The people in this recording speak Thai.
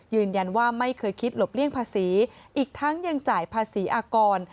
ไม่เคยคิดหลบเลี่ยงภาษีอีกทั้งยังจ่ายภาษีอากร